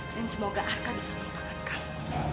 dan semoga arka bisa melupakan kamu